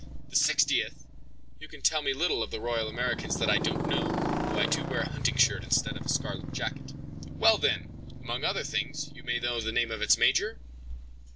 "The Sixtieth! you can tell me little of the Royal Americans that I don't know, though I do wear a hunting shirt instead of a scarlet jacket." "Well, then, among other things, you may know the name of its major?"